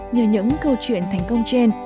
nhờ những câu chuyện thành công trên